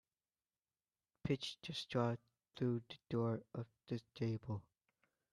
Pitch the straw through the door of the stable.